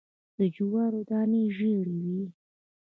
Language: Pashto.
د جوارو دانی ژیړې وي